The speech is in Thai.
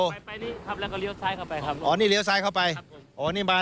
ไปไปนี่ครับแล้วก็เลี้ยวซ้ายเข้าไปครับอ๋อนี่เลี้ยซ้ายเข้าไปครับอ๋อนี่มา